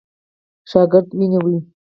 شاګرد ونیوی.